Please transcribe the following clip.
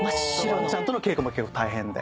ワンちゃんとの稽古も大変で。